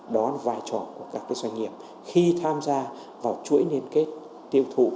đó là vai trò của các doanh nghiệp khi tham gia vào chuỗi liên kết tiêu thụ